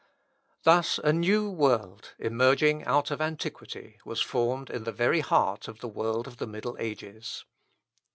Thus a new world, emerging out of antiquity, was formed in the very heart of the world of the middle ages.